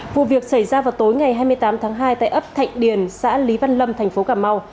vụ việc xảy ra vào tối ngày hai mươi tám tháng hai tại ấp thạnh điền xã lý văn lâm thành phố cà mau